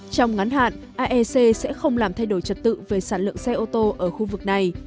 trong ngắn hạn aec sẽ không làm thay đổi trật tự về sản lượng xe ô tô ở khu vực này